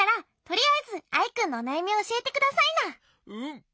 とりあえずアイくんのおなやみをおしえてくださいな。